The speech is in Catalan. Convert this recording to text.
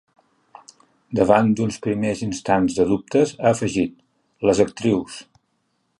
Davant d’uns primers instants de dubtes, ha afegit: Les actrius.